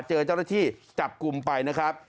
เจอเจ้าหน้าที่จับกลุ่มไปนะครับ